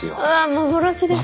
幻ですね。